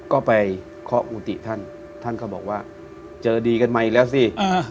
ก็ไปเคาะกุฏิท่านท่านก็บอกว่าเจอดีกันมาอีกแล้วสิ